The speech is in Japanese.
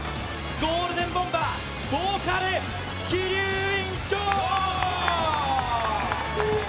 ゴールデンボンバーボーカル、鬼龍院翔。